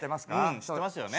知ってますよね。